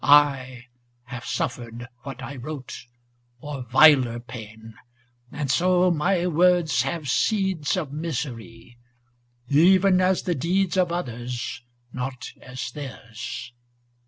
I Have suffered what I wrote, or viler pain ! 279 And so my words have seeds of misery ŌĆö * Even as the deeds of others, not as theirs.'